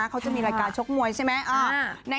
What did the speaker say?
เขาจะมีรายการชกมวยใช่ไหม